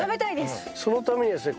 そのためにはですね。